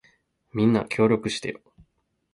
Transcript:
みんな、協力してよ。